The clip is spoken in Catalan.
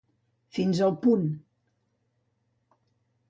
Fins al punt.